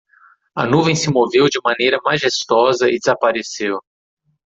A nuvem se moveu de maneira majestosa e desapareceu.